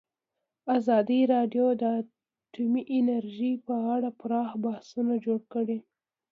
ازادي راډیو د اټومي انرژي په اړه پراخ بحثونه جوړ کړي.